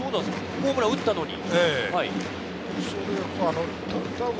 ホームランを打ったのに？